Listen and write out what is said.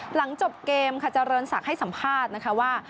หลังจบเกมค่ะเจริญศักดิ์ให้สัมภาษณ์นะคะว่า